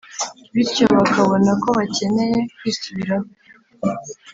bityo bakabona ko bakeneye kwisubiraho